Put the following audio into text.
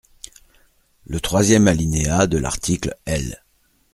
Le troisième alinéa de l’article L.